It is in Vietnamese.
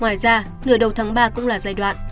ngoài ra nửa đầu tháng ba cũng là giai đoạn